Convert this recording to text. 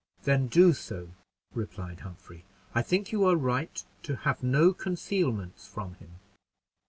"Then do so," replied Humphrey; "I think you are right to have no concealments from him."